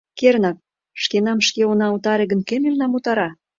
Кернак, шкенам шке она утаре гын, кӧ мемнам утара?